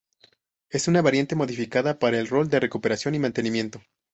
Es una variante modificada para el rol de recuperación y mantenimiento.